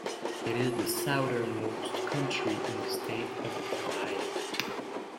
It is the southernmost county in the state of Ohio.